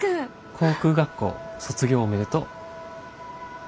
航空学校卒業おめでとう。